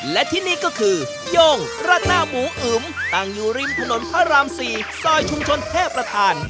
และทีนี้ก็คือโยงราต้น่าหมูอุ่มต่างอยู่ริมผู้นนทรพราม๔ซอยชุมชนแพร่ประทาน